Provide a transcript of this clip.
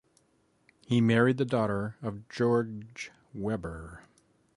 He married the daughter of Georg Weber.